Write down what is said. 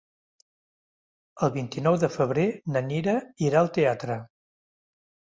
El vint-i-nou de febrer na Nina irà al teatre.